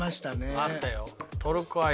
あったよ。